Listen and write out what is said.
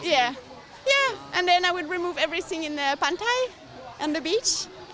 ya dan saya akan menghilangkan segalanya di pantai dan di pantai